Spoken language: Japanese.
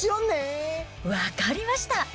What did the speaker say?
分かりました。